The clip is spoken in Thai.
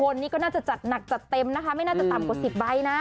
และนี่ก็ราบหนักจัดเต็มไม่น่าจะต่ำกว่าสิบใบนะ